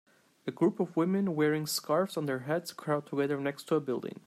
A group of woman wearing scarves on their heads crowd together next to a building.